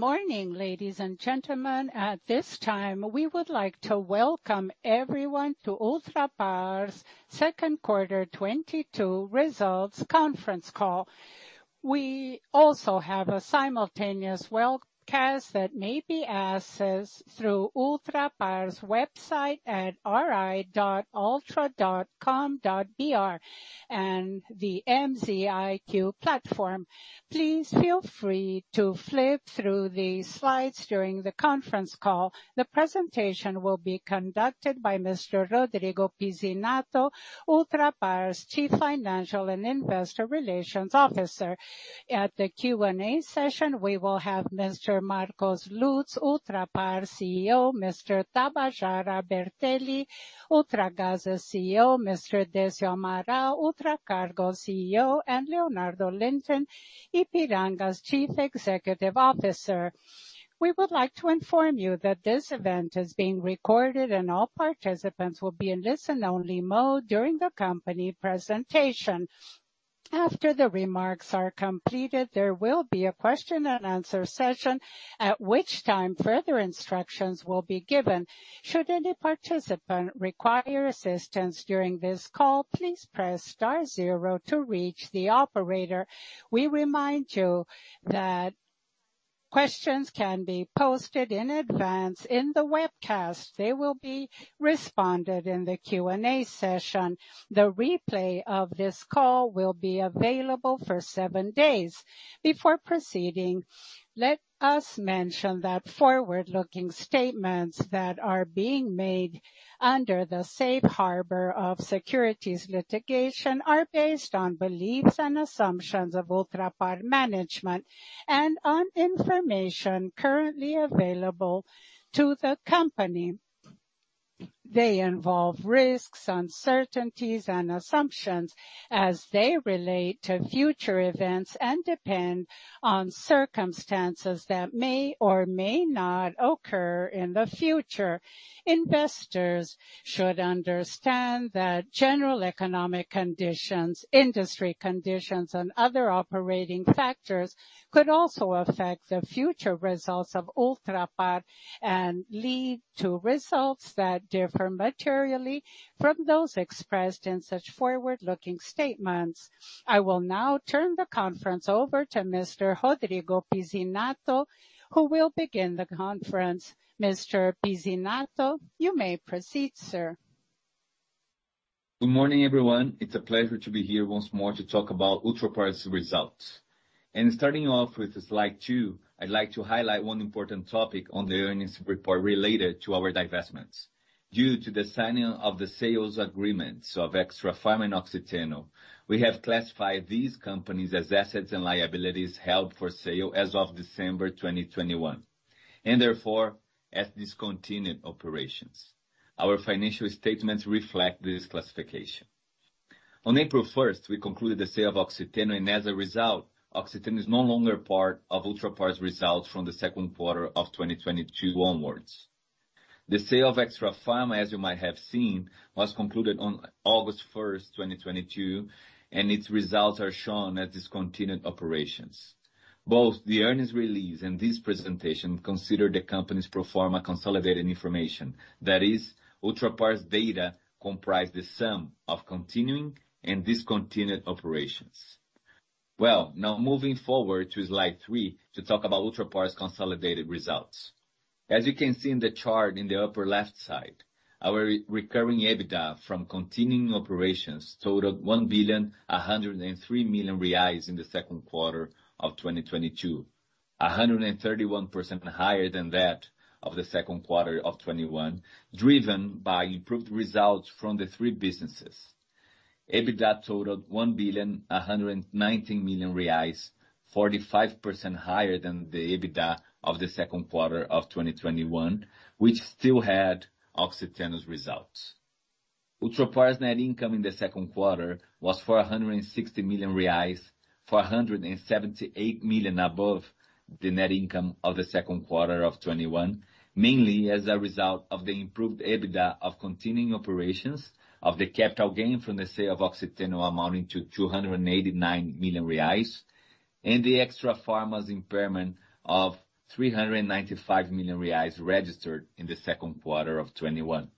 Good morning, ladies and gentlemen. At this time, we would like to welcome everyone to Ultrapar's second quarter 2022 results conference call. We also have a simultaneous webcast that may be accessed through Ultrapar's website at ri.ultra.com.br and the Mziq platform. Please feel free to flip through these slides during the conference call. The presentation will be conducted Rodrigo Pizzinatto, ultrapar's chief Financial and Investor Relations Officer. At the Q&A session, we will have Mr. Marcos Lutz, Ultrapar CEO, Mr. Tabajara Bertelli, Ultragaz's CEO, Mr. Décio Sampaio, Ultracargo CEO, and Leonardo Linden, Ipiranga's Chief Executive Officer. We would like to inform you that this event is being recorded and all participants will be in listen only mode during the company presentation. After the remarks are completed, there will be a question-and-answer session, at which time further instructions will be given. Should any participant require assistance during this call, please press star zero to reach the operator. We remind you that questions can be posted in advance in the webcast. They will be responded in the Q&A session. The replay of this call will be available for seven days. Before proceeding, let us mention that forward-looking statements that are being made under the safe harbor of securities litigation are based on beliefs and assumptions of Ultrapar management and on information currently available to the company. They involve risks, uncertainties, and assumptions as they relate to future events and depend on circumstances that may or may not occur in the future. Investors should understand that general economic conditions, industry conditions, and other operating factors could also affect the future results of Ultrapar and lead to results that differ materially from those expressed in such forward-looking statements. I will now turn the conference over Rodrigo Pizzinatto, who will begin the conference. Mr. Pizzinatto, you may proceed, sir. Good morning, everyone. It's a pleasure to be here once more to talk about Ultrapar's results. Starting off with slide 2, I'd like to highlight one important topic on the earnings report related to our divestments. Due to the signing of the sales agreements of Extrafarma and Oxiteno, we have classified these companies as assets and liabilities held for sale as of December 2021, and therefore, as discontinued operations. Our financial statements reflect this classification. On April 1, we concluded the sale of Oxiteno, and as a result, Oxiteno is no longer part of Ultrapar's results from the second quarter of 2022 onwards. The sale of Extrafarma, as you might have seen, was concluded on August 1, 2022, and its results are shown as discontinued operations. Both the earnings release and this presentation consider the company's pro forma consolidated information. That is, Ultrapar's data comprise the sum of continuing and discontinued operations. Well, now moving forward to slide 3 to talk about Ultrapar's consolidated results. As you can see in the chart in the upper left side, our recurring EBITDA from continuing operations totaled 1,103 million reais in the second quarter of 2022. 131% higher than that of the second quarter of 2021, driven by improved results from the three businesses. EBITDA totaled 1,119 million reais, 45% higher than the EBITDA of the second quarter of 2021, which still had Oxiteno's results. Ultrapar's net income in the second quarter was 460 million reais, 478 million above the net income of the second quarter of 2021, mainly as a result of the improved EBITDA of continuing operations of the capital gain from the sale of Oxiteno amounting to 289 million reais and the Extrafarma's impairment of 395 million reais registered in the second quarter of 2021.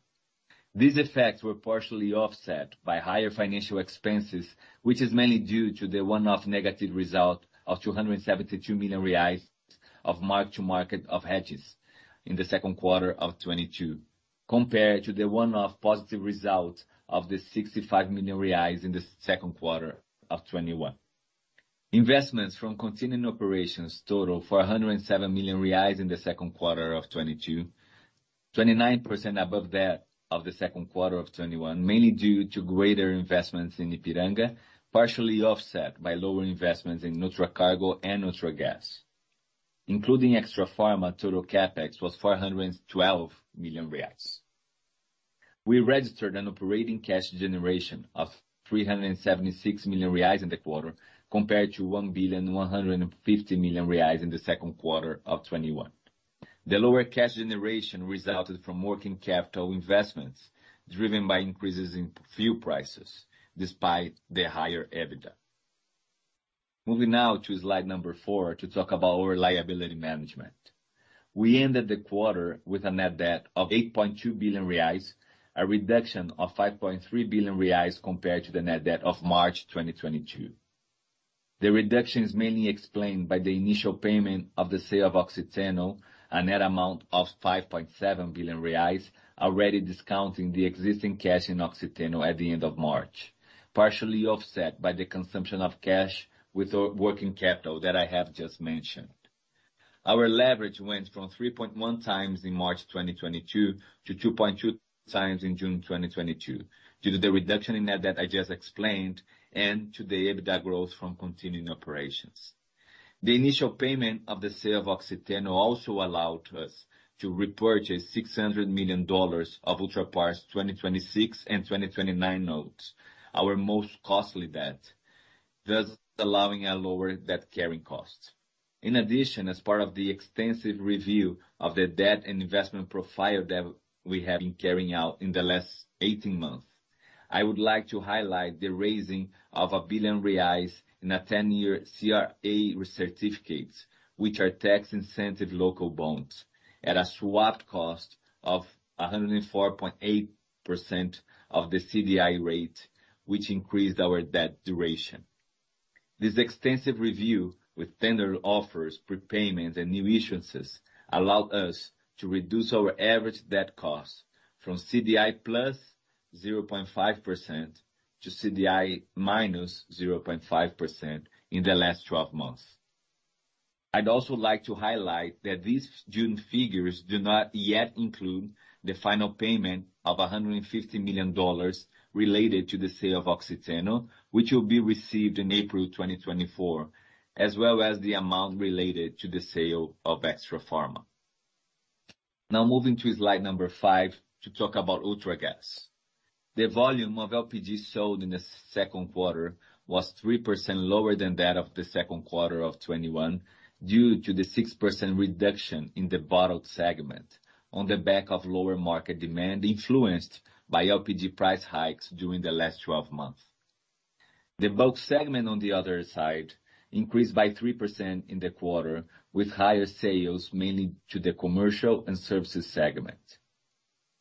These effects were partially offset by higher financial expenses, which is mainly due to the one-off negative result of 272 million reais of mark-to-market of hedges in the second quarter of 2022, compared to the one-off positive result of the 65 million reais in the second quarter of 2021. Investments from continuing operations total 407 million reais in the second quarter of 2022. 29% above that of the second quarter of 2021, mainly due to greater investments in Ipiranga, partially offset by lower investments in Ultracargo and Ultragaz. Including Extrafarma, total CapEx was 412 million. We registered an operating cash generation of 376 million reais in the quarter, compared to 1.15 billion in the second quarter of 2021. The lower cash generation resulted from working capital investments driven by increases in fuel prices despite the higher EBITDA. Moving now to slide number 4 to talk about our liability management. We ended the quarter with a net debt of 8.2 billion reais, a reduction of 5.3 billion reais compared to the net debt of March 2022. The reduction is mainly explained by the initial payment of the sale of Oxiteno, a net amount of 5.7 billion reais, already discounting the existing cash in Oxiteno at the end of March, partially offset by the consumption of cash with our working capital that I have just mentioned. Our leverage went from 3.1 times in March 2022 to 2.2 times in June 2022 due to the reduction in net that I just explained and to the EBITDA growth from continuing operations. The initial payment of the sale of Oxiteno also allowed us to repurchase $600 million of Ultragaz 2026 and 2029 notes, our most costly debt, thus allowing a lower debt carrying cost. In addition, as part of the extensive review of the debt and investment profile that we have been carrying out in the last 18 months, I would like to highlight the raising of 1 billion reais in 10-year CRA certificates, which are tax incentive local bonds at a swapped cost of 104.8% of the CDI rate, which increased our debt duration. This extensive review with tender offers, prepayments, and new issuances allowed us to reduce our average debt cost from CDI + 0.5% to CDI - 0.5% in the last 12 months. I'd also like to highlight that these June figures do not yet include the final payment of $150 million related to the sale of Oxiteno, which will be received in April 2024, as well as the amount related to the sale of Extrafarma. Now moving to slide number 5 to talk about Ultragaz. The volume of LPG sold in the second quarter was 3% lower than that of the second quarter of 2021 due to the 6% reduction in the bottled segment on the back of lower market demand, influenced by LPG price hikes during the last 12 months. The bulk segment, on the other side, increased by 3% in the quarter, with higher sales mainly to the commercial and services segment.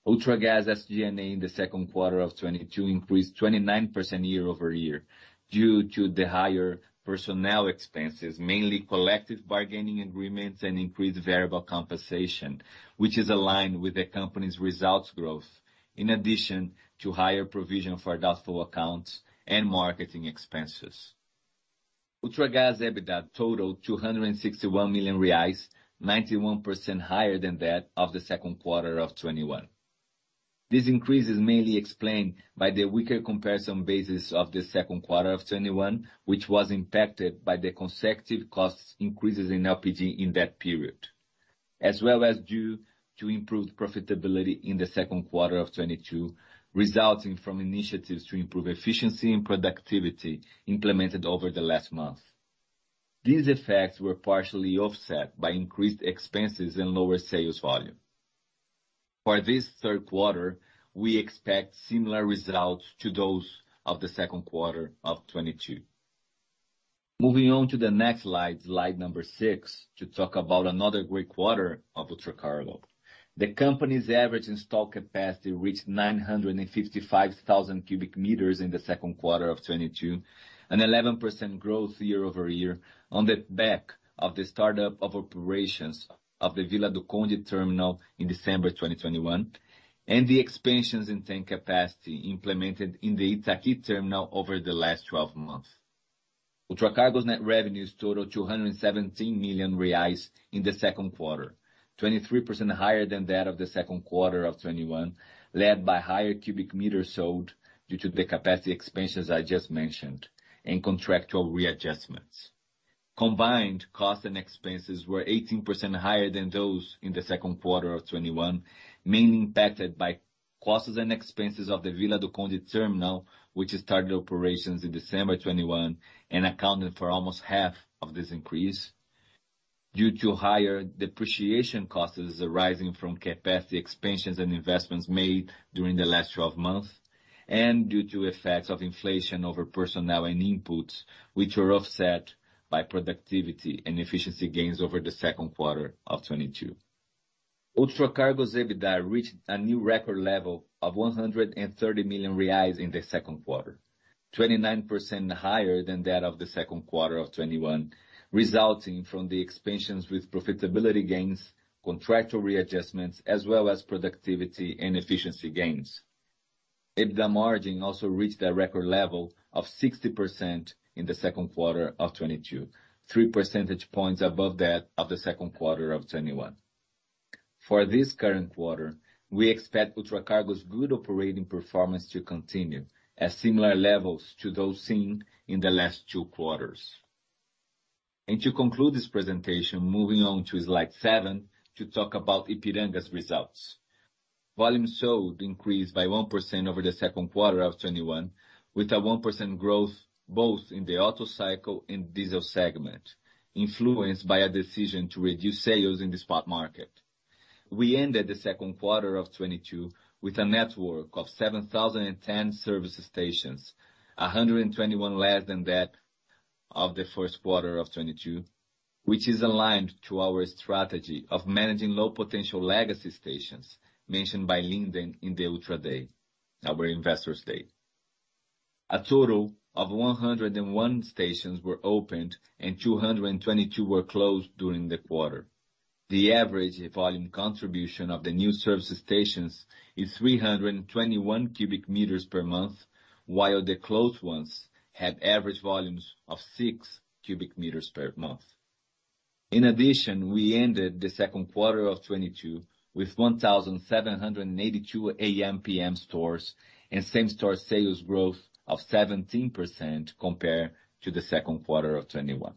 Ultragaz SG&A in the second quarter of 2022 increased 29% year-over-year due to the higher personnel expenses, mainly collective bargaining agreements and increased variable compensation, which is aligned with the company's results growth, in addition to higher provision for doubtful accounts and marketing expenses. Ultragaz EBITDA totaled 261 million reais, 91% higher than that of the second quarter of 2021. This increase is mainly explained by the weaker comparison basis of the second quarter of 2021, which was impacted by the consecutive cost increases in LPG in that period, as well as due to improved profitability in the second quarter of 2022, resulting from initiatives to improve efficiency and productivity implemented over the last month. These effects were partially offset by increased expenses and lower sales volume. For this third quarter, we expect similar results to those of the second quarter of 2022. Moving on to the next slide number 6, to talk about another great quarter of Ultracargo. The company's average in-stock capacity reached 955,000 cubic meters in the second quarter of 2022, an 11% growth year-over-year on the back of the startup of operations of the Vila do Conde terminal in December 2021, and the expansions in tank capacity implemented in the Itaqui terminal over the last 12 months. Ultracargo's net revenues totaled 217 million reais in the second quarter, 23% higher than that of the second quarter of 2021, led by higher cubic meters sold due to the capacity expansions I just mentioned and contractual readjustments. Combined costs and expenses were 18% higher than those in the second quarter of 2021, mainly impacted by costs and expenses of the Vila do Conde terminal, which started operations in December 2021 and accounted for almost half of this increase due to higher depreciation costs arising from capacity expansions and investments made during the last 12 months and due to effects of inflation over personnel and inputs, which were offset by productivity and efficiency gains over the second quarter of 2022. Ultracargo's EBITDA reached a new record level of 130 million reais in the second quarter, 29% higher than that of the second quarter of 2021, resulting from the expansions with profitability gains, contractual readjustments, as well as productivity and efficiency gains. EBITDA margin also reached a record level of 60% in the second quarter of 2022, three percentage points above that of the second quarter of 2021. For this current quarter, we expect Ultracargo's good operating performance to continue at similar levels to those seen in the last two quarters. To conclude this presentation, moving on to slide seven to talk about Ipiranga's results. Volume sold increased by 1% over the second quarter of 2021, with a 1% growth both in the otto cycle and diesel segment, influenced by a decision to reduce sales in the spot market. We ended the second quarter of 2022 with a network of 7,010 service stations, 121 less than that of the first quarter of 2022, which is aligned to our strategy of managing low potential legacy stations mentioned by Linden in the Ultra Day, our investors' day. A total of 101 stations were opened and 222 were closed during the quarter. The average volume contribution of the new service stations is 321 cubic meters per month, while the closed ones had average volumes of six cubic meters per month. In addition, we ended the second quarter of 2022 with 1,782 AmPm stores and same-store sales growth of 17% compared to the second quarter of 2021.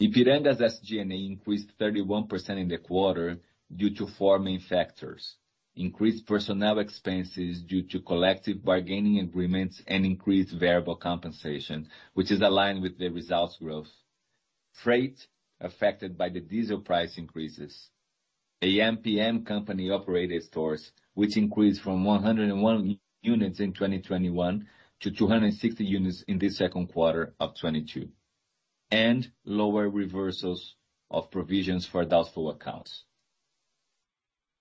Ipiranga's SG&A increased 31% in the quarter due to four main factors. Increased personnel expenses due to collective bargaining agreements and increased variable compensation, which is aligned with the results growth. Freight affected by the diesel price increases. AmPm company-operated stores, which increased from 101 units in 2021 to 260 units in the second quarter of 2022, and lower reversals of provisions for doubtful accounts.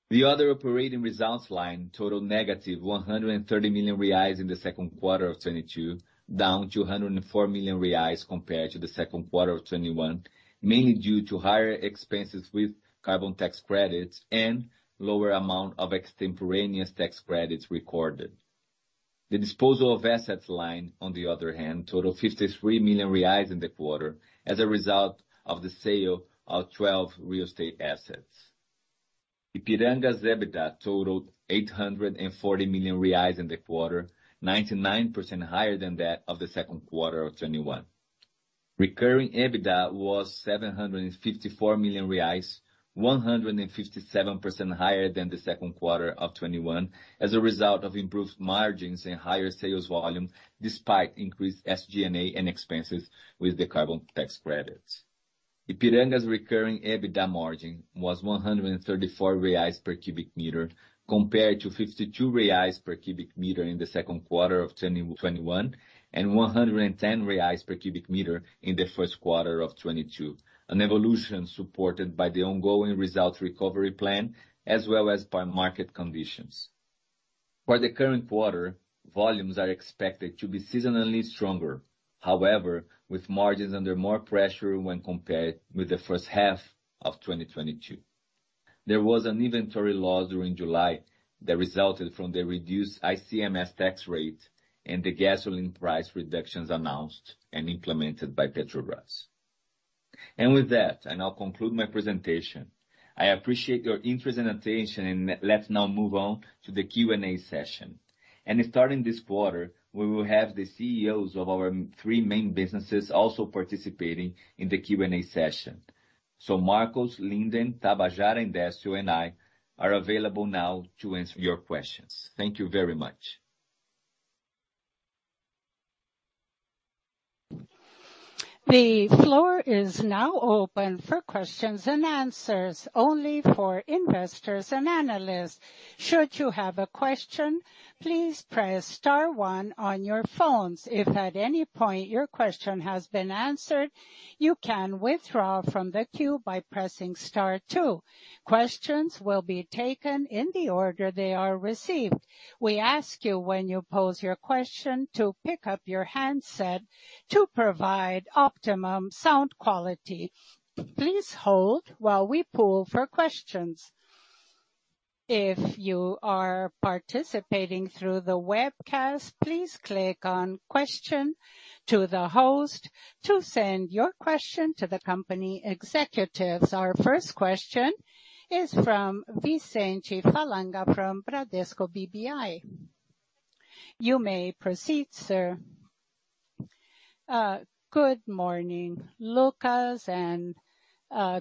The other operating results line totaled -130 million reais in the second quarter of 2022, down 204 million reais compared to the second quarter of 2021, mainly due to higher expenses with carbon tax credits and lower amount of extemporaneous tax credits recorded. The disposal of assets line, on the other hand, totaled 53 million reais in the quarter as a result of the sale of 12 real estate assets. Ipiranga's EBITDA totaled 840 million reais in the quarter, 99% higher than that of the second quarter of 2021. Recurring EBITDA was 754 million reais, 157% higher than the second quarter of 2021, as a result of improved margins and higher sales volume despite increased SG&A and expenses with the carbon tax credits. Ipiranga's recurring EBITDA margin was 134 reais per cubic meter compared to 52 reais per cubic meter in the second quarter of 2021 and 110 reais per cubic meter in the first quarter of 2022, an evolution supported by the ongoing results recovery plan as well as by market conditions. For the current quarter, volumes are expected to be seasonally stronger, however, with margins under more pressure when compared with the first half of 2022. There was an inventory loss during July that resulted from the reduced ICMS tax rate and the gasoline price reductions announced and implemented by Petrobras. With that, I now conclude my presentation. I appreciate your interest and attention, and let's now move on to the Q&A session. Starting this quarter, we will have the CEOs of our three main businesses also participating in the Q&A session. Marcos, Linden, Tabajara, Décio, and I are available now to answer your questions. Thank you very much. The floor is now open for questions and answers only for investors and analysts. Should you have a question, please press star one on your phones. If at any point your question has been answered, you can withdraw from the queue by pressing star two. Questions will be taken in the order they are received. We ask you when you pose your question to pick up your handset to provide optimum sound quality. Please hold while we poll for questions. If you are participating through the webcast, please click on question to the host to send your question to the company executives. Our first question is from Vicente Falanga from Bradesco BBI. You may proceed, sir. Good morning, Lucas, and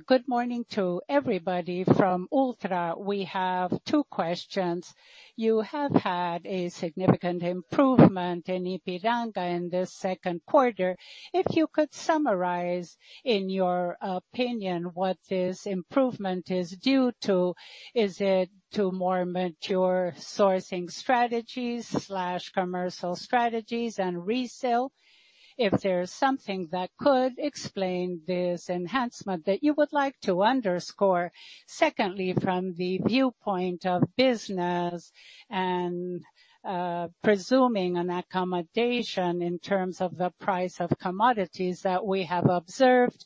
good morning to everybody from Ultra. We have two questions. You have had a significant improvement in Ipiranga in the second quarter. If you could summarize, in your opinion, what this improvement is due to, is it to more mature sourcing strategies slash commercial strategies and resale? If there's something that could explain this enhancement that you would like to underscore. Secondly, from the viewpoint of business and, presuming an accommodation in terms of the price of commodities that we have observed,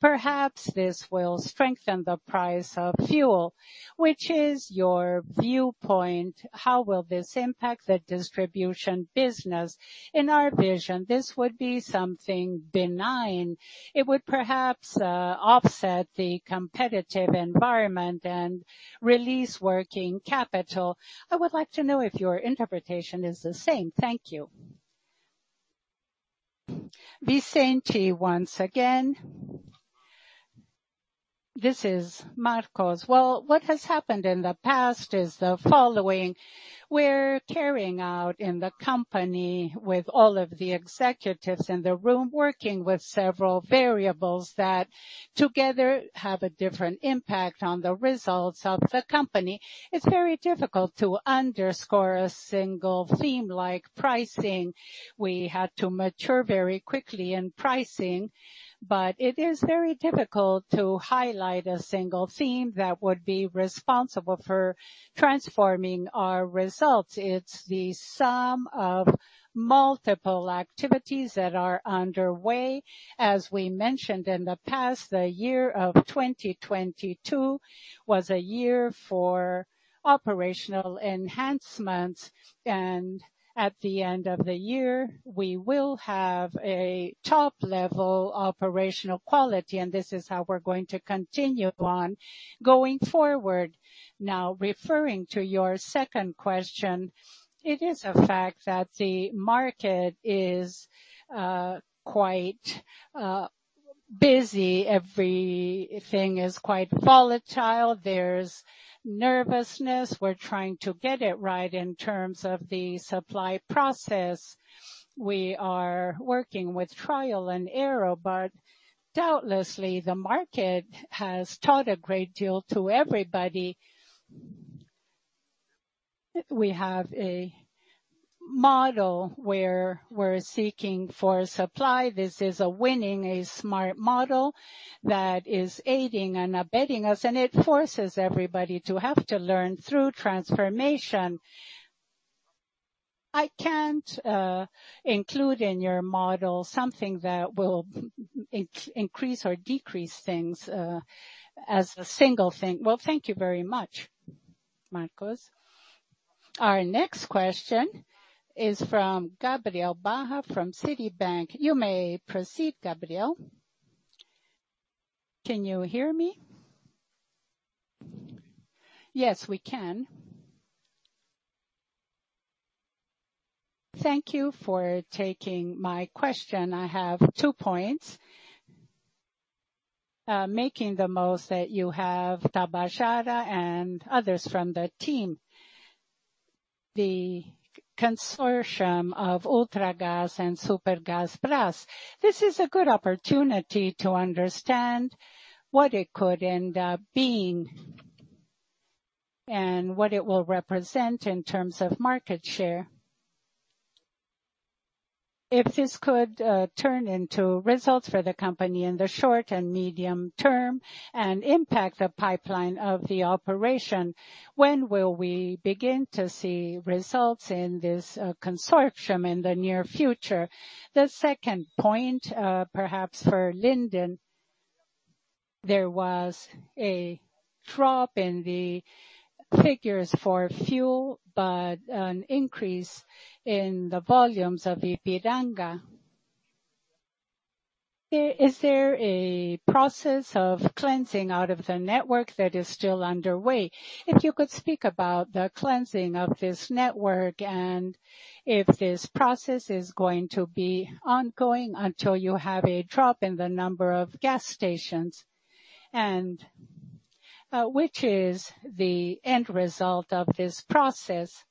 perhaps this will strengthen the price of fuel. Which is your viewpoint? How will this impact the distribution business? In our vision, this would be something benign. It would perhaps, offset the competitive environment and release working capital. I would like to know if your interpretation is the same. Thank you. Vicente, once again. This is Marcos. Well, what has happened in the past is the following, we're carrying out in the company with all of the executives in the room, working with several variables that together have a different impact on the results of the company. It's very difficult to underscore a single theme like pricing. We had to mature very quickly in pricing, but it is very difficult to highlight a single theme that would be responsible for transforming our results. It's the sum of multiple activities that are underway. As we mentioned in the past, the year of 2022 was a year for operational enhancements, and at the end of the year, we will have a top level operational quality, and this is how we're going to continue on going forward. Now, referring to your second question, it is a fact that the market is quite busy. Everything is quite volatile. There's nervousness. We're trying to get it right in terms of the supply process. We are working with trial and error, but doubtlessly, the market has taught a great deal to everybody. We have a model where we're seeking for supply. This is a winning, a smart model that is aiding and abetting us, and it forces everybody to have to learn through transformation. I can't include in your model something that will increase or decrease things as a single thing. Well, thank you very much, Marcos. Our next question is from Gabriel Barra from Citibank. You may proceed, Gabriel. Can you hear me? Yes, we can. Thank you for taking my question. I have two points. Making the most that you have Tabajara Bertelli and others from the team. The consortium of Ultragaz and Supergasbras. This is a good opportunity to understand what it could end up being and what it will represent in terms of market share. If this could turn into results for the company in the short and medium term and impact the pipeline of the operation, when will we begin to see results in this consortium in the near future? The second point, perhaps for Linden, there was a drop in the figures for fuel, but an increase in the volumes of Ipiranga. Is there a process of cleansing out of the network that is still underway? If you could speak about the cleansing of this network and if this process is going to be ongoing until you have a drop in the number of gas stations, and which is the end result of this process?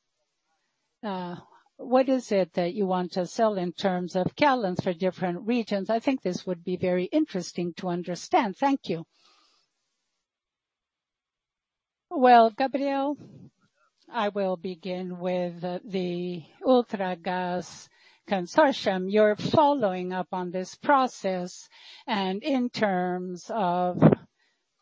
What is it that you want to sell in terms of gallons for different regions? I think this would be very interesting to understand. Thank you. Well, Gabriel, I will begin with the Ultragaz consortium. You're following up on this process, and in terms of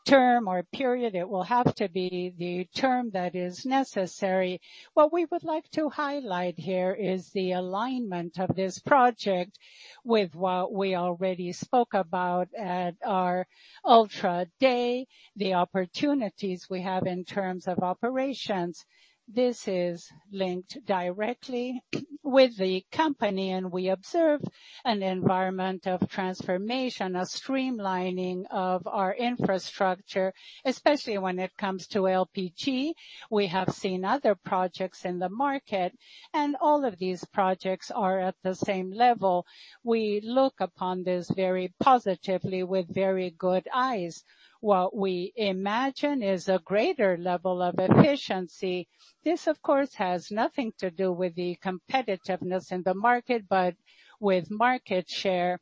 term or period, it will have to be the term that is necessary. What we would like to highlight here is the alignment of this project with what we already spoke about at our Ultra Day, the opportunities we have in terms of operations. This is linked directly with the company, and we observe an environment of transformation, a streamlining of our infrastructure, especially when it comes to LPG. We have seen other projects in the market, and all of these projects are at the same level. We look upon this very positively with very good eyes. What we imagine is a greater level of efficiency. This, of course, has nothing to do with the competitiveness in the market, but with market share.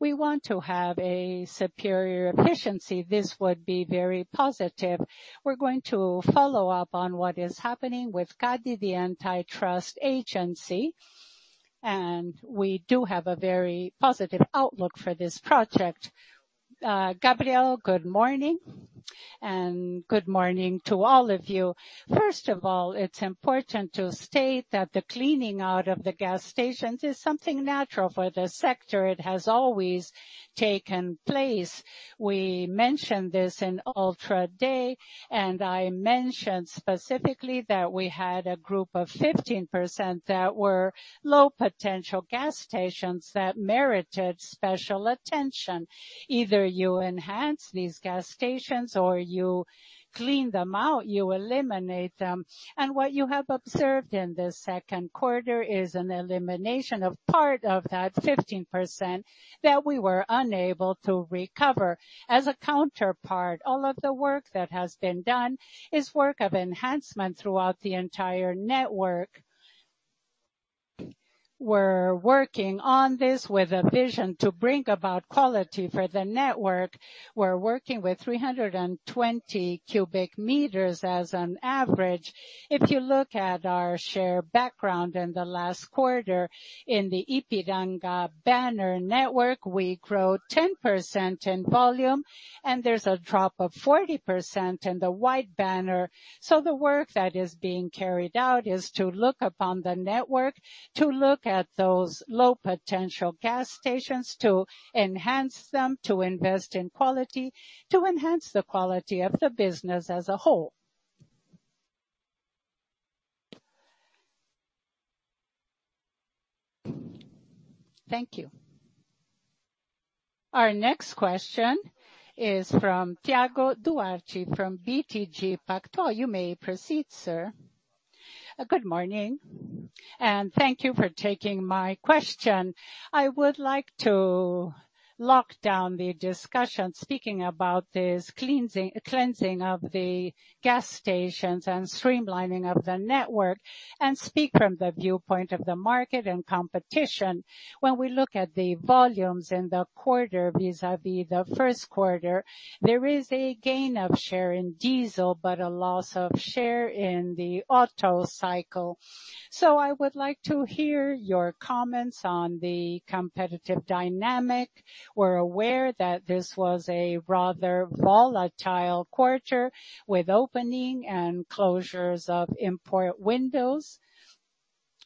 We want to have a superior efficiency. This would be very positive. We're going to follow up on what is happening with CADE, the antitrust agency, and we do have a very positive outlook for this project. Gabriel, good morning, and good morning to all of you. First of all, it's important to state that the cleaning out of the gas stations is something natural for the sector. It has always taken place. We mentioned this in Ultra Day, and I mentioned specifically that we had a group of 15% that were low potential gas stations that merited special attention. Either you enhance these gas stations or you clean them out, you eliminate them. What you have observed in the second quarter is an elimination of part of that 15% that we were unable to recover. As a counterpart, all of the work that has been done is work of enhancement throughout the entire network. We're working on this with a vision to bring about quality for the network. We're working with 320 cubic meters as an average. If you look at our share background in the last quarter in the Ipiranga banner network, we grow 10% in volume, and there's a drop of 40% in the white banner. The work that is being carried out is to look upon the network, to look at those low potential gas stations, to enhance them, to invest in quality, to enhance the quality of the business as a whole. Thank you. Our next question is from Thiago Duarte from BTG Pactual. You may proceed, sir. Good morning, and thank you for taking my question. I would like to lock down the discussion speaking about this cleansing of the gas stations and streamlining of the network and speak from the viewpoint of the market and competition. When we look at the volumes in the quarter vis-a-vis the first quarter, there is a gain of share in diesel, but a loss of share in the otto cycle. I would like to hear your comments on the competitive dynamic. We're aware that this was a rather volatile quarter with opening and closures of import windows.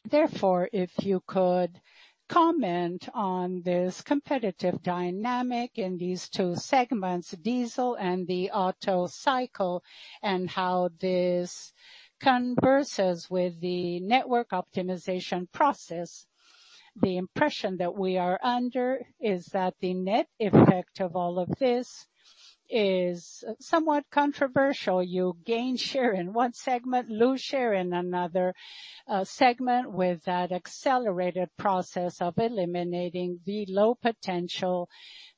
Therefore, if you could comment on this competitive dynamic in these two segments, diesel and the otto cycle, and how this converges with the network optimization process. The impression that we are under is that the net effect of all of this is somewhat controversial. You gain share in one segment, lose share in another, segment with that accelerated process of eliminating the low potential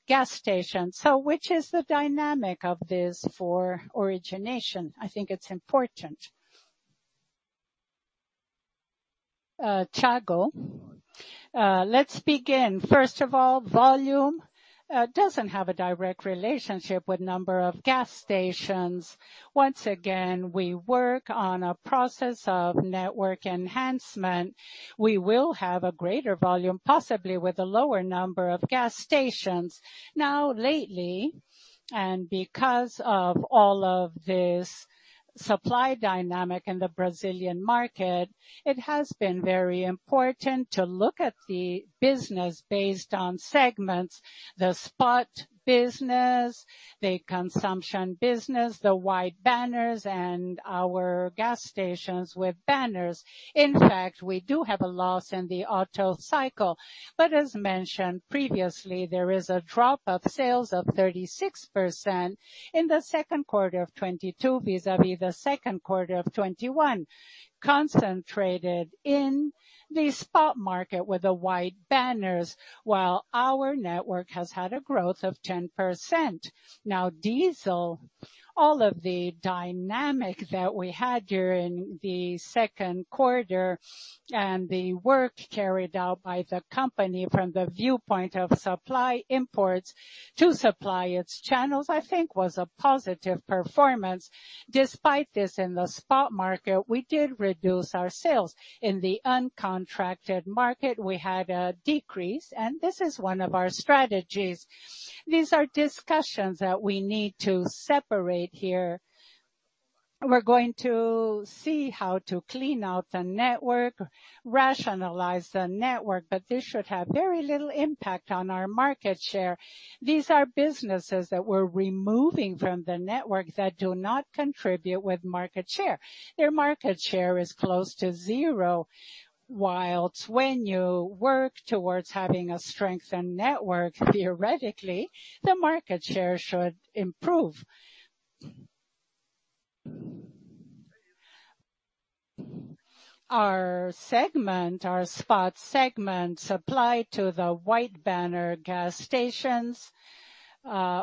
gas station. Which is the dynamic of this for origination? I think it's important. Thiago, let's begin. First of all, volume doesn't have a direct relationship with number of gas stations. Once again, we work on a process of network enhancement. We will have a greater volume, possibly with a lower number of gas stations. Now, lately, and because of all of this supply dynamic in the Brazilian market, it has been very important to look at the business based on segments, the spot business, the consumption business, the white banners and our gas stations with banners. In fact, we do have a loss in the otto cycle. As mentioned previously, there is a drop of sales of 36% in the second quarter of 2022 vis-à-vis the second quarter of 2021, concentrated in the spot market with the white banners, while our network has had a growth of 10%. Now, diesel, all of the dynamic that we had during the second quarter and the work carried out by the company from the viewpoint of supply imports to supply its channels, I think was a positive performance. Despite this, in the spot market, we did reduce our sales. In the uncontracted market, we had a decrease, and this is one of our strategies. These are discussions that we need to separate here. We're going to see how to clean out the network, rationalize the network, but this should have very little impact on our market share. These are businesses that we're removing from the network that do not contribute with market share. Their market share is close to zero. While when you work towards having a strengthened network, theoretically, the market share should improve. Our segment, our spot segment supply to the white banner gas stations,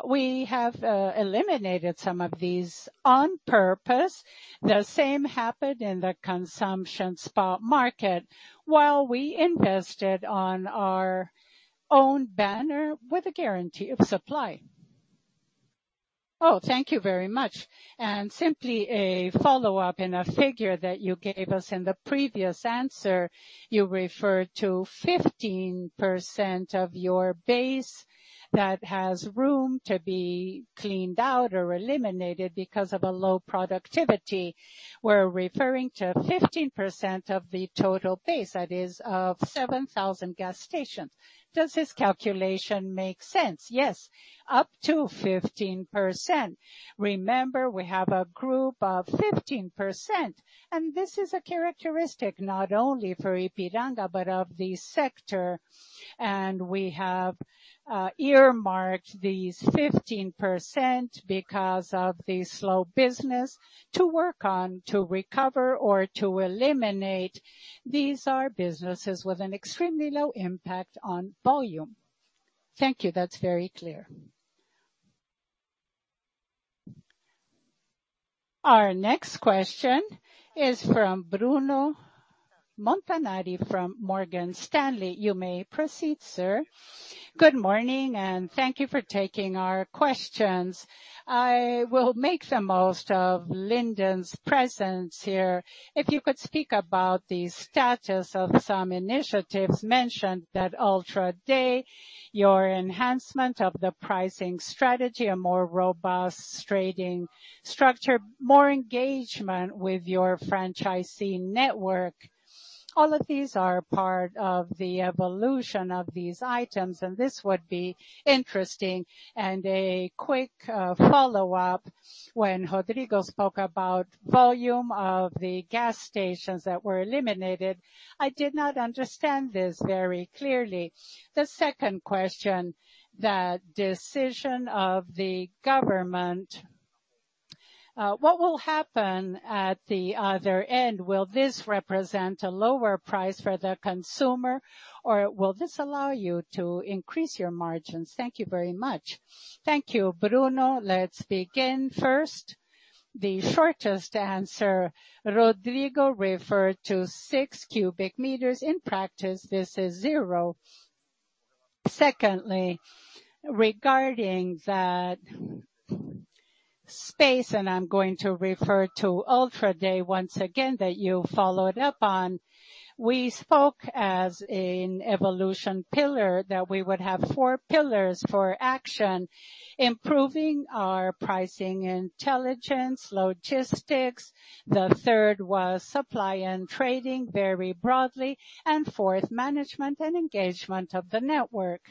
we have eliminated some of these on purpose. The same happened in the consumption spot market, while we invested on our own banner with a guarantee of supply. Oh, thank you very much. Simply a follow-up in a figure that you gave us in the previous answer. You referred to 15% of your base that has room to be cleaned out or eliminated because of a low productivity. We're referring to 15% of the total base, that is of 7,000 gas stations. Does this calculation make sense? Yes, up to 15%. Remember, we have a group of 15%, and this is a characteristic not only for Ipiranga but of the sector. We have earmarked these 15% because of the slow business to work on, to recover or to eliminate. These are businesses with an extremely low impact on volume. Thank you. That's very clear. Our next question is from Bruno Montanari from Morgan Stanley. You may proceed, sir. Good morning, and thank you for taking our questions. I will make the most of Lyndon's presence here. If you could speak about the status of some initiatives mentioned at Ultra Day, your enhancement of the pricing strategy, a more robust trading structure, more engagement with your franchisee network. All of these are part of the evolution of these items, and this would be interesting. A quick follow-up. When Rodrigo spoke about volume of the gas stations that were eliminated, I did not understand this very clearly. The second question, the decision of the government, what will happen at the other end? Will this represent a lower price for the consumer, or will this allow you to increase your margins? Thank you very much. Thank you, Bruno. Let's begin first. The shortest answer, Rodrigo referred to six cubic meters. In practice, this is zero. Secondly, regarding that space, and I'm going to refer to Ultra Day once again that you followed up on. We spoke as an evolution pillar that we would have four pillars for action, improving our pricing intelligence, logistics. The third was supply and trading very broadly, and fourth, management and engagement of the network.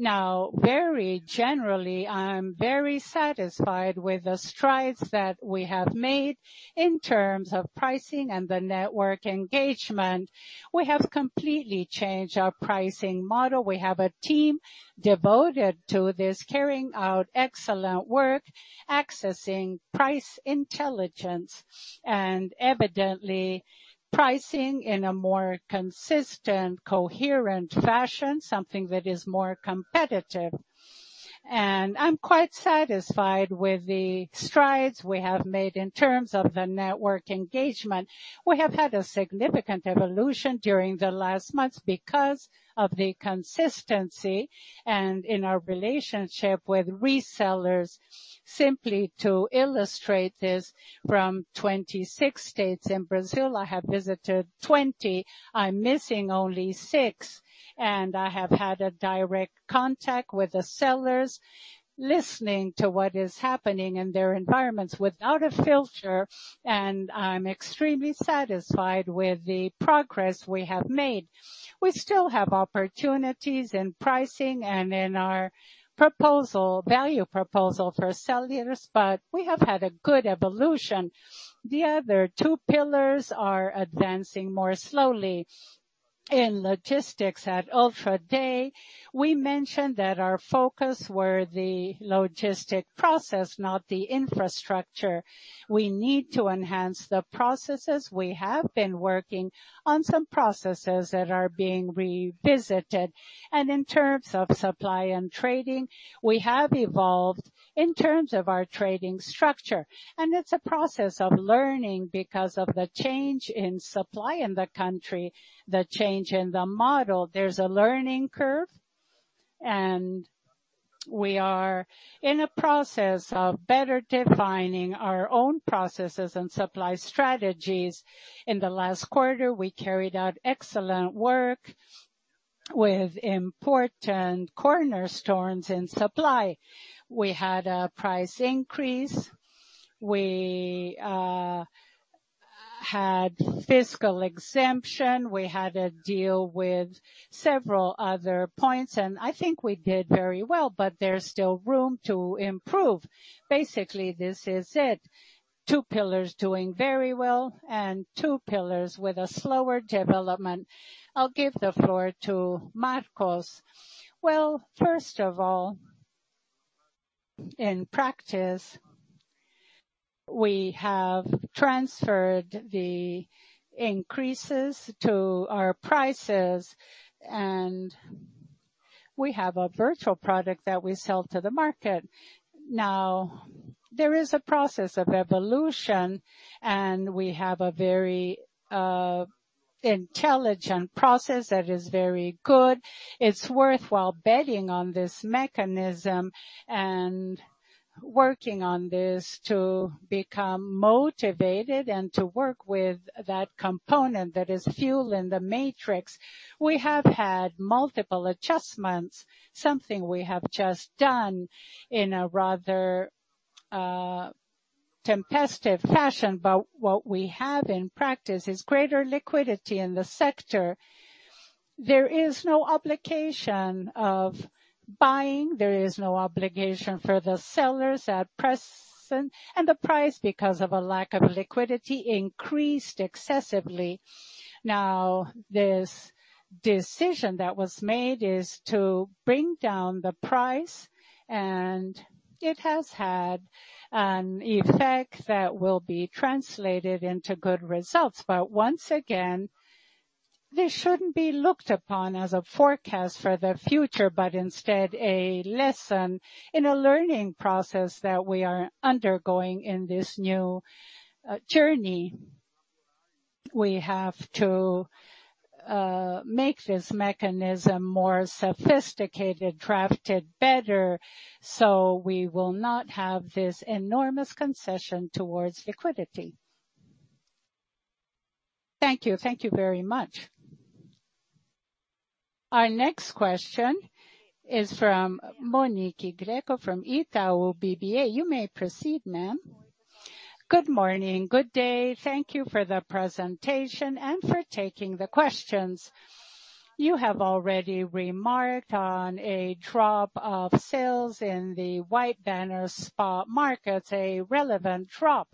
Now, very generally, I'm very satisfied with the strides that we have made in terms of pricing and the network engagement. We have completely changed our pricing model. We have a team devoted to this, carrying out excellent work, accessing price intelligence, and evidently pricing in a more consistent, coherent fashion, something that is more competitive. I'm quite satisfied with the strides we have made in terms of the network engagement. We have had a significant evolution during the last months because of the consistency and in our relationship with resellers. Simply to illustrate this, from 26 states in Brazil, I have visited 20. I'm missing only six, and I have had a direct contact with the sellers, listening to what is happening in their environments without a filter, and I'm extremely satisfied with the progress we have made. We still have opportunities in pricing and in our proposal, value proposal for sellers, but we have had a good evolution. The other two pillars are advancing more slowly. In logistics, at Ultra Day, we mentioned that our focus were the logistic process, not the infrastructure. We need to enhance the processes. We have been working on some processes that are being revisited. In terms of supply and trading, we have evolved in terms of our trading structure. It's a process of learning because of the change in supply in the country, the change in the model. There's a learning curve, and we are in a process of better defining our own processes and supply strategies. In the last quarter, we carried out excellent work with important corner stores in supply. We had a price increase. We had fiscal exemption. We had a deal with several other points, and I think we did very well, but there's still room to improve. Basically, this is it. Two pillars doing very well and two pillars with a slower development. I'll give the floor to Marcos. Well, first of all, in practice, we have transferred the increases to our prices, and we have a virtual product that we sell to the market. Now, there is a process of evolution, and we have a very intelligent process that is very good. It's worthwhile betting on this mechanism and working on this to become motivated and to work with that component that is fuel in the matrix. We have had multiple adjustments, something we have just done in a rather, tempestive fashion. What we have in practice is greater liquidity in the sector. There is no obligation of buying. There is no obligation for the sellers at present, and the price, because of a lack of liquidity, increased excessively. Now, this decision that was made is to bring down the price, and it has had an effect that will be translated into good results. Once again, this shouldn't be looked upon as a forecast for the future, but instead a lesson in a learning process that we are undergoing in this new journey. We have to make this mechanism more sophisticated, crafted better, so we will not have this enormous concession towards liquidity. Thank you. Thank you very much. Our next question is from Monique Greco from Itaú BBA. You may proceed, ma'am. Good morning. Good day. Thank you for the presentation and for taking the questions. You have already remarked on a drop of sales in the white banner spot market, a relevant drop.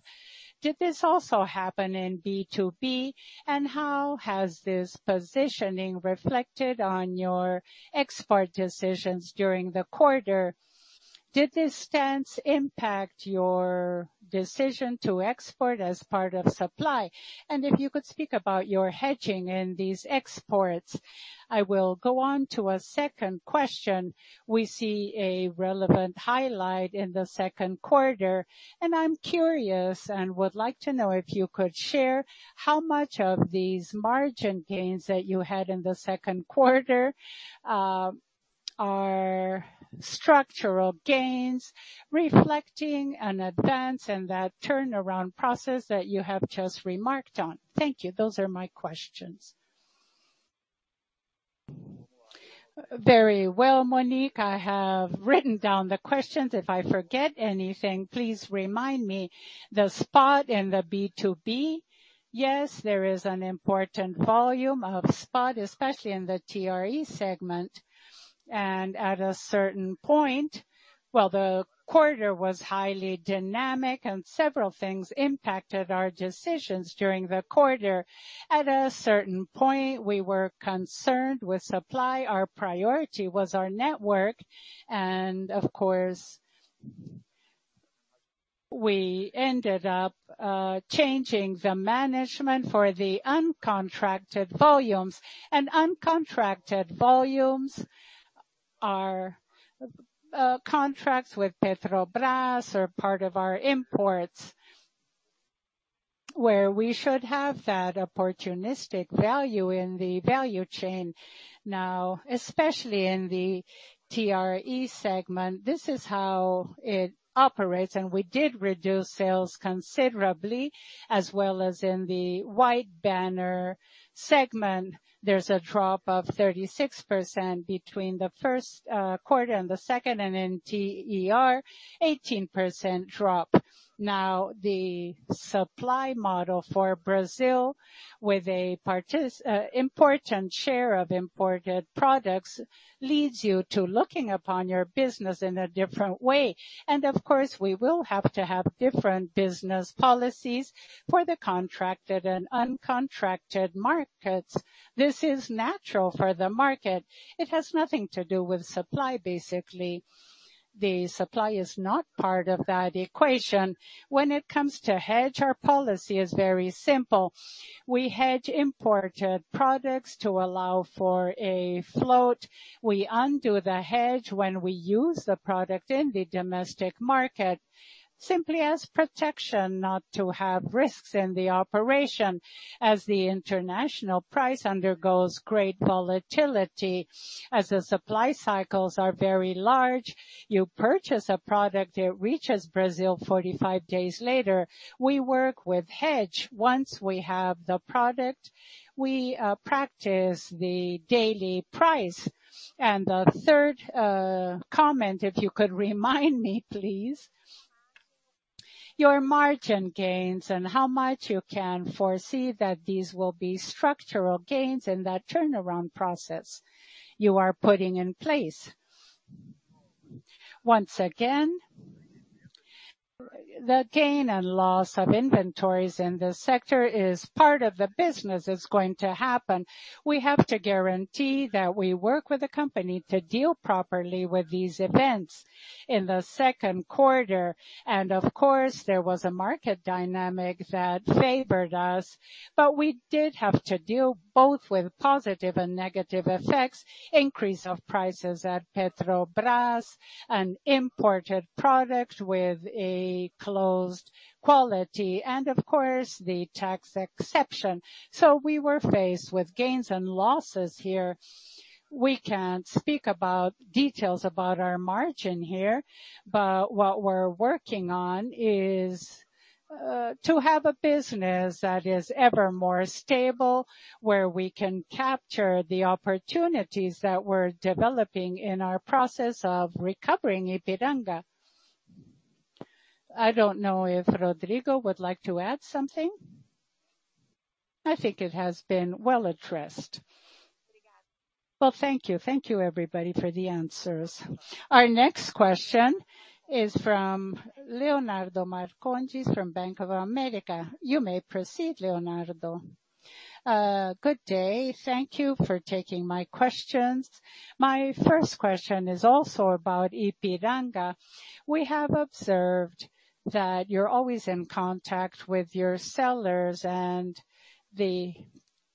Did this also happen in B2B? And how has this positioning reflected on your export decisions during the quarter? Did this stance impact your decision to export as part of supply? And if you could speak about your hedging in these exports. I will go on to a second question. We see a relevant highlight in the second quarter, and I'm curious and would like to know if you could share how much of these margin gains that you had in the second quarter are structural gains reflecting an advance in that turnaround process that you have just remarked on. Thank you. Those are my questions. Very well, Monique. I have written down the questions. If I forget anything, please remind me. The spot in the B2B. Yes, there is an important volume of spot, especially in the TRR segment. At a certain point, the quarter was highly dynamic and several things impacted our decisions during the quarter. At a certain point, we were concerned with supply. Our priority was our network. Of course, we ended up changing the management for the uncontracted volumes. Uncontracted volumes are contracts with Petrobras or part of our imports, where we should have that opportunistic value in the value chain. Now, especially in the TRR segment, this is how it operates, and we did reduce sales considerably, as well as in the white banner segment, there's a drop of 36% between the first quarter and the second, and in TRR, 18% drop. Now, the supply model for Brazil with a particularly important share of imported products leads you to looking upon your business in a different way. Of course, we will have to have different business policies for the contracted and uncontracted markets. This is natural for the market. It has nothing to do with supply, basically. The supply is not part of that equation. When it comes to hedge, our policy is very simple. We hedge imported products to allow for a float. We undo the hedge when we use the product in the domestic market simply as protection not to have risks in the operation as the international price undergoes great volatility. As the supply cycles are very large, you purchase a product, it reaches Brazil 45 days later. We work with hedge. Once we have the product, we practice the daily price. The third comment, if you could remind me, please. Your margin gains and how much you can foresee that these will be structural gains in that turnaround process you are putting in place. Once again, the gain and loss of inventories in this sector is part of the business that's going to happen. We have to guarantee that we work with the company to deal properly with these events in the second quarter. Of course, there was a market dynamic that favored us. We did have to deal both with positive and negative effects, increase of prices at Petrobras, an imported product with a closed quality, and of course, the tax exception. We were faced with gains and losses here. We can't speak about details about our margin here, but what we're working on is to have a business that is ever more stable, where we can capture the opportunities that we're developing in our process of recovering Ipiranga. I don't know if Rodrigo would like to add something. I think it has been well addressed. Well, thank you. Thank you, everybody, for the answers. Our next question is from Leonardo Marcondes from Bank of America. You may proceed, Leonardo. Good day. Thank you for taking my questions. My first question is also about Ipiranga. We have observed that you're always in contact with your sellers, and our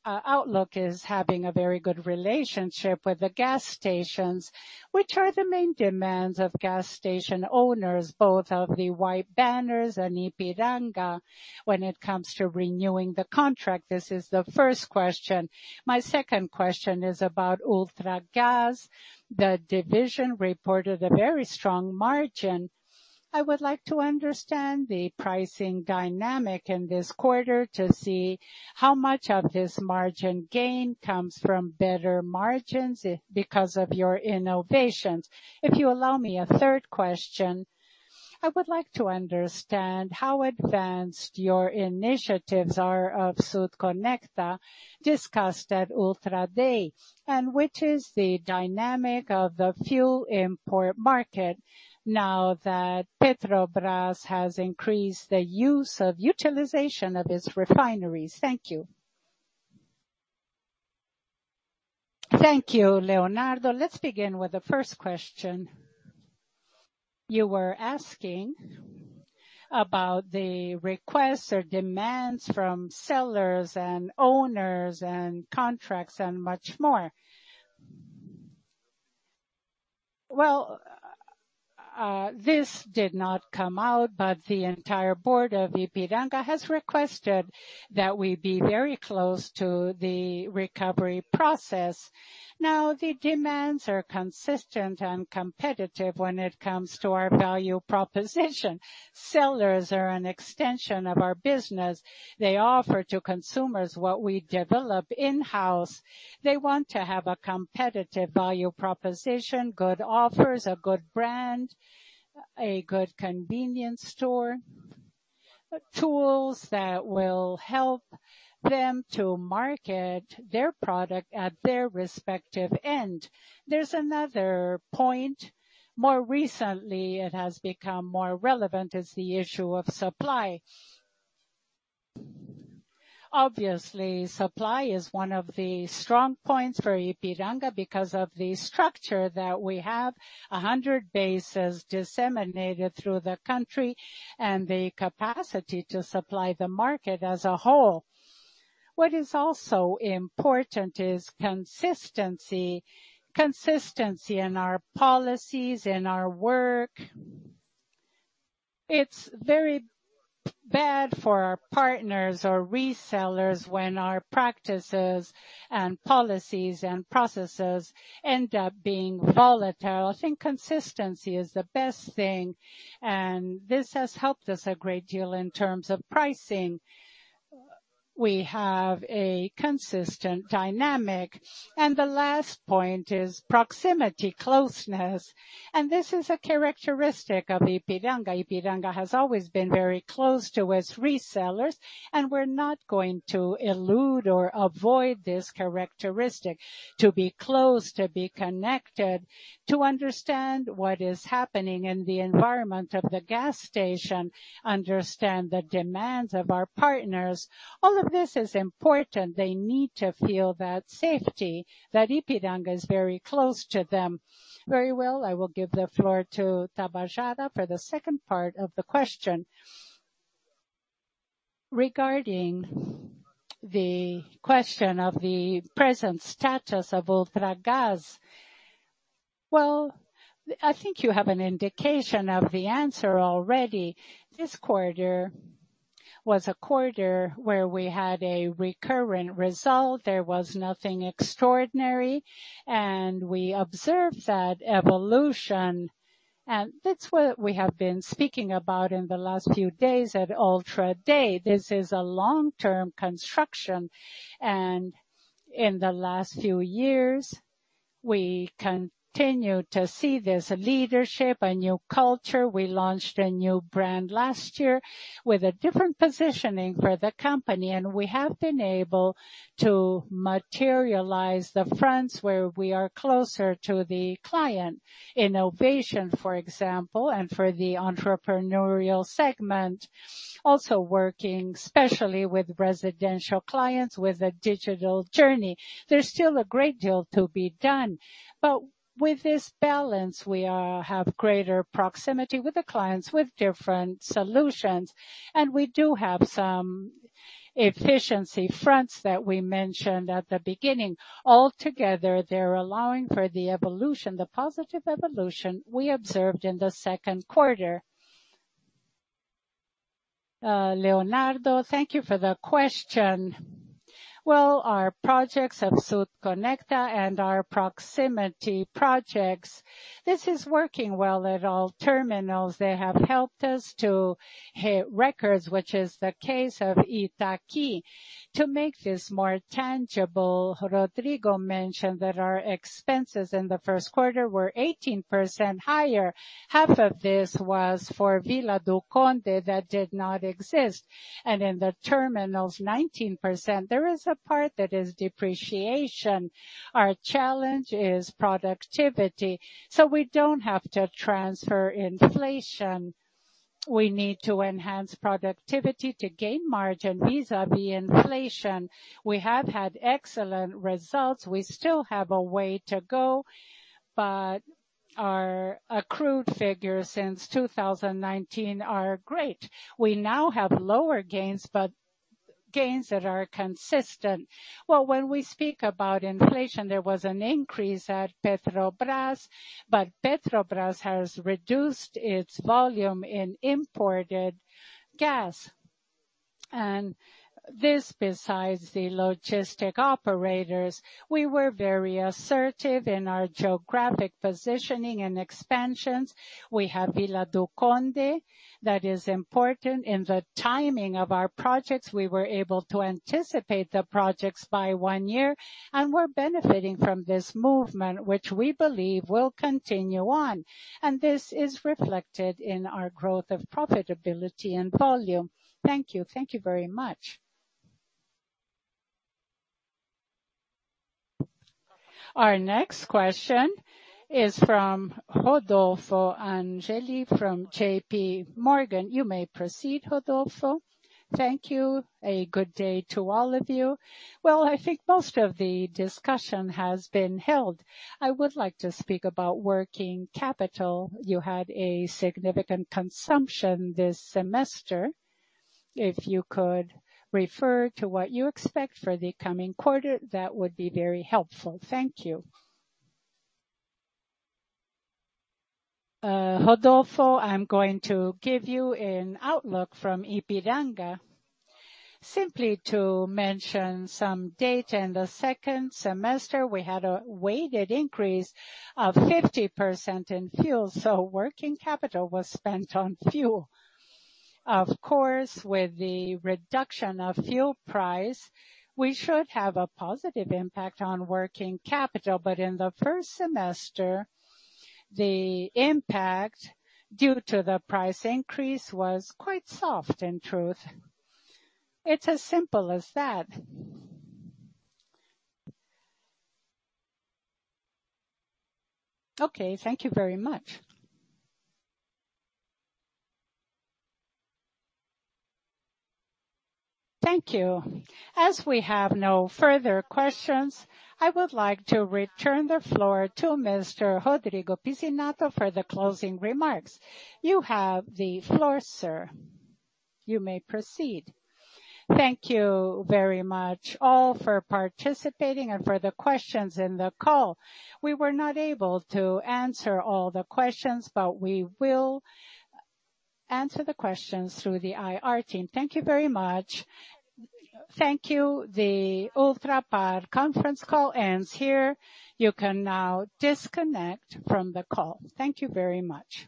outlook is having a very good relationship with the gas stations. Which are the main demands of gas station owners, both of the white banners and Ipiranga, when it comes to renewing the contract? This is the first question. My second question is about Ultragaz. The division reported a very strong margin. I would like to understand the pricing dynamic in this quarter to see how much of this margin gain comes from better margins because of your innovations. If you allow me a third question, I would like to understand how advanced your initiatives are of Sul Conecta discussed at Ultra Day, and what is the dynamic of the fuel import market now that Petrobras has increased the utilization of its refineries. Thank you. Thank you, Leonardo. Let's begin with the first question. You were asking about the requests or demands from sellers and owners and contracts and much more. Well, this did not come out, but the entire board of Ipiranga has requested that we be very close to the recovery process. Now, the demands are consistent and competitive when it comes to our value proposition. Sellers are an extension of our business. They offer to consumers what we develop in-house. They want to have a competitive value proposition, good offers, a good brand, a good convenience store, tools that will help them to market their product at their respective end. There's another point. More recently, it has become more relevant, is the issue of supply. Obviously, supply is one of the strong points for Ipiranga because of the structure that we have, 100 bases disseminated through the country and the capacity to supply the market as a whole. What is also important is consistency. Consistency in our policies, in our work. It's very bad for our partners or resellers when our practices and policies and processes end up being volatile. I think consistency is the best thing, and this has helped us a great deal in terms of pricing. We have a consistent dynamic. The last point is proximity, closeness, and this is a characteristic of Ipiranga. Ipiranga has always been very close to its resellers, and we're not going to elude or avoid this characteristic to be close, to be connected, to understand what is happening in the environment of the gas station, understand the demands of our partners. All of this is important. They need to feel that safety, that Ipiranga is very close to them. Very well. I will give the floor to Tabajara for the second part of the question. Regarding the question of the present status of Ultragaz. Well, I think you have an indication of the answer already. This quarter was a quarter where we had a recurrent result. There was nothing extraordinary, and we observed that evolution, and that's what we have been speaking about in the last few days at Ultra Day. This is a long-term construction, and in the last few years, we continue to see there's a leadership, a new culture. We launched a new brand last year with a different positioning for the company, and we have been able to materialize the fronts where we are closer to the client. Innovation, for example, and for the entrepreneurial segment. Also working, especially with residential clients with a digital journey. There's still a great deal to be done. With this balance, we have greater proximity with the clients with different solutions. We do have some efficiency fronts that we mentioned at the beginning. Altogether, they're allowing for the evolution, the positive evolution we observed in the second quarter. Leonardo, thank you for the question. Well, our projects of Sul Conecta and our proximity projects, this is working well at all terminals. They have helped us to hit records, which is the case of Itaqui. To make this more tangible, Rodrigo mentioned that our expenses in the first quarter were 18% higher. Half of this was for Vila do Conde that did not exist. In the terminals, 19%, there is a part that is depreciation. Our challenge is productivity, so we don't have to transfer inflation. We need to enhance productivity to gain margin vis-à-vis inflation. We have had excellent results. We still have a way to go, but our accrued figures since 2019 are great. We now have lower gains, but gains that are consistent. Well, when we speak about inflation, there was an increase at Petrobras, but Petrobras has reduced its volume in imported gas. This besides the logistic operators, we were very assertive in our geographic positioning and expansions. We have Vila do Conde that is important in the timing of our projects. We were able to anticipate the projects by one year, and we're benefiting from this movement, which we believe will continue on. This is reflected in our growth of profitability and volume. Thank you. Thank you very much. Our next question is from Rodolfo Angele from JPMorgan. You may proceed, Rodolfo. Thank you. A good day to all of you. Well, I think most of the discussion has been held. I would like to speak about working capital. You had a significant consumption this semester. If you could refer to what you expect for the coming quarter, that would be very helpful. Thank you. Rodolfo, I'm going to give you an outlook from Ipiranga. Simply to mention some data. In the second semester, we had a weighted increase of 50% in fuel, so working capital was spent on fuel. Of course, with the reduction of fuel price, we should have a positive impact on working capital. In the first semester, the impact due to the price increase was quite soft in truth. It's as simple as that. Okay, thank you very much. Thank you. As we have no further questions, I would like to return the floor to Mr. Rodrigo Pizzinatto for the closing remarks. You have the floor, sir. You may proceed. Thank you very much all for participating and for the questions in the call. We were not able to answer all the questions, but we will answer the questions through the IR team. Thank you very much. Thank you. The Ultrapar conference call ends here. You can now disconnect from the call. Thank you very much.